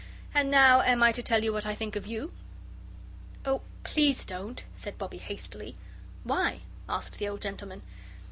"And now am I to tell you what I think of you?" "Oh, please don't," said Bobbie, hastily. "Why?" asked the old gentleman.